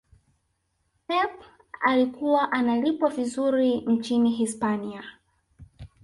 pep alikuwa analipwa vizuri nchini hispania